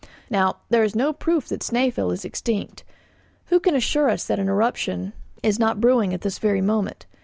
Now, there is no proof that Snæfell is extinct. Who can assure us that an eruption is not brewing at this very moment?